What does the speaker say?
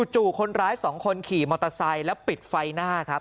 จู่คนร้าย๒คนขี่มอเตอร์ไซค์แล้วปิดไฟหน้าครับ